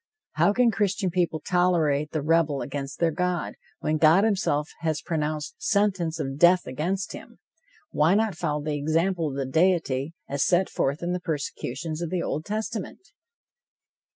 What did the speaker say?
How can Christian people tolerate the rebel against their God, when God himself has pronounced sentence of death against him? Why not follow the example of the deity, as set forth in the persecutions of the Old Testament?